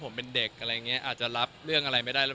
ผมเป็นเด็กอะไรอย่างนี้อาจจะรับเรื่องอะไรไม่ได้แล้ว